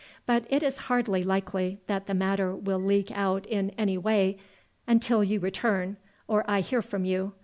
But it is hardly likely that the matter will leak out in any way until you return, or I hear from you.